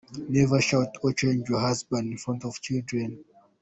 Never shout or challenge your husband in front of children.